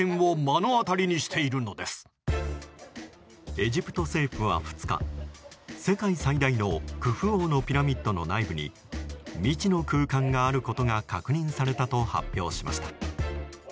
エジプト政府は２日世界最大のクフ王のピラミッドの内部に未知の空間があることが確認されたと発表しました。